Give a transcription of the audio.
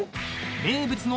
［名物の］